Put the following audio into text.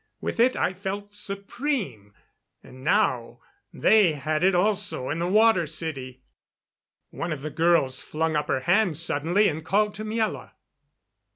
With it I felt supreme. And now they had it also in the Water City! One of the girls flung up her hand suddenly and called to Miela.